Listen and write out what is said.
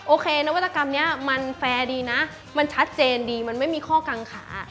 นวัตกรรมนี้มันแฟร์ดีนะมันชัดเจนดีมันไม่มีข้อกังขา